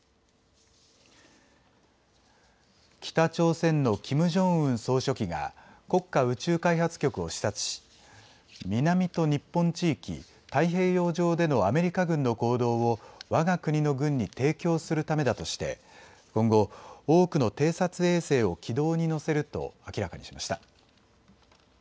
北朝鮮のキム・ジョンウン総書記が国家宇宙開発局を視察し南と日本地域、太平洋上でのアメリカ軍の行動をわが国の軍に提供するためだとして今後、多くの偵察衛星を軌道に乗せると明らかにしました。